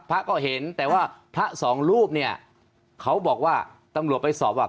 พระก็เห็นแต่ว่าพระสองรูปเนี่ยเขาบอกว่าตำรวจไปสอบว่า